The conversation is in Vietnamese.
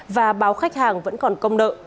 và báo khách hàng vẫn còn công nợ